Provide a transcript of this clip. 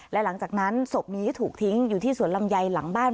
และหลังจากนั้นศพนี้ถูกทิ้งอยู่ที่สวนลำไยหลังบ้าน